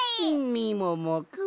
みももくん